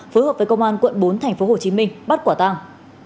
phối hợp với công an quận bốn tp hcm bắt quả tàng